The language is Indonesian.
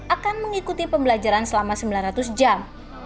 akan mengikuti pembelajaran selama sembilan ratus jam